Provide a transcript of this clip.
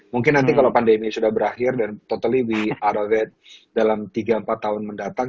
mungkin nanti kalau pandemi sudah berakhir dan totally we are avaid dalam tiga empat tahun mendatang